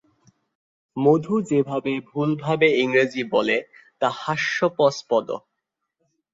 মধু যেভাবে ভুলভাবে ইংরেজি বলে তা হাস্যোপস্পদ।